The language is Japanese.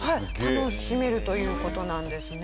楽しめるという事なんですね。